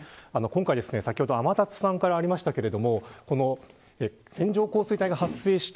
先ほど天達さんからありましたけれども線状降水帯が発生した